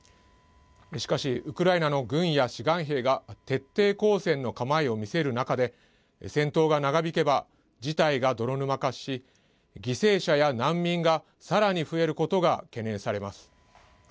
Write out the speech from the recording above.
しかし、ウクライナの軍や志願兵が徹底抗戦の構えを見せる中で戦闘が長引けば、事態が泥沼化し犠牲者や難民がさらに増えることが懸念されます。